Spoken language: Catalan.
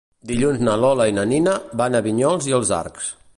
Dilluns na Lola i na Nina van a Vinyols i els Arcs.